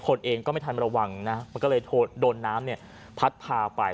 คนเองก็ไม่ทันระวังนะมันก็เลยโดนน้ำเนี่ยพัดพาไป